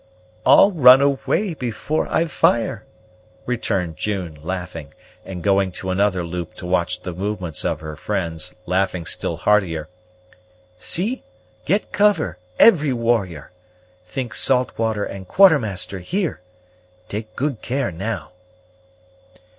"All run away before I fire," returned June, laughing, and going to another loop to watch the movements of her friends, laughing still heartier. "See! get cover every warrior. Think Saltwater and Quartermaster here. Take good care now."